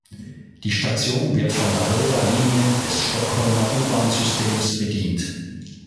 Die Station wird von der Röda linjen des Stockholmer U-Bahn-Systems bedient.